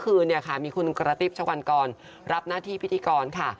คืนเนี่ยค่ะมีคุณกระติ๊บชะวันกรรับหน้าที่พิธีกรค่ะ